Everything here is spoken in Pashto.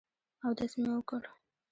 اودس مې وکړ.